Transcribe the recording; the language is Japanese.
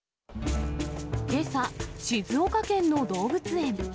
けさ、静岡県の動物園。